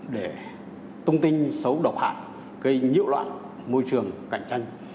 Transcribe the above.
để tung tin xấu độc hại gây nhiễu loạn môi trường cạnh tranh